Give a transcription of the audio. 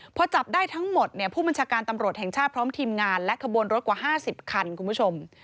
พอจับได้ทั้งหมดเนี่ยผู้บัญชาการตำรวจแห่งชาติพร้อมทีมงานและขบวนรถกว่า๕๐คันคุณผู้ชม